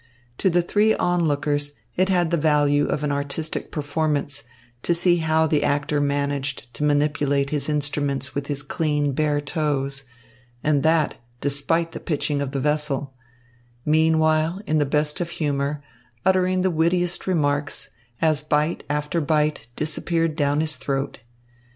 To the three onlookers it had the value of an artistic performance to see how the actor managed to manipulate his instruments with his clean, bare toes and that despite the pitching of the vessel meanwhile, in the best of humour, uttering the wittiest remarks as bite after bite disappeared down his throat.